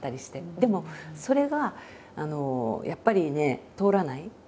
でもそれがやっぱりね通らない。